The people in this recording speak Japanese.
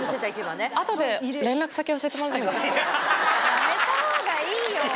やめた方がいいよ。